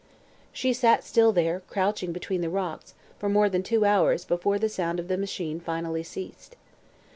She sat still there, crouching between the rocks, for more than two hours before the sound of the machine finally ceased.